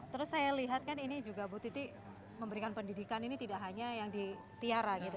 terus saya lihat kan ini juga bu titi memberikan pendidikan ini tidak hanya yang di tiara gitu